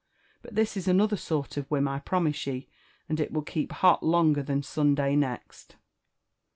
But this is anolher sort of whim, I promise ye, and it will keep hot longer than Sunday next."